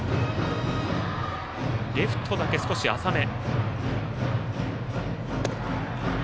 レフトだけ少し浅め。